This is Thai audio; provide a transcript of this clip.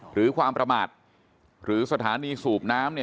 หรือความประมาทหรือสถานีสูบน้ำ